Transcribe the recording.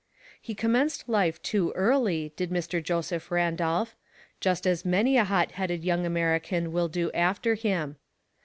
He commenced life too early, did Mr. Joseph Randolph, just as many a hot headed young American will do after him.